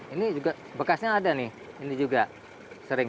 ini juga bekasnya ada nih ini juga sering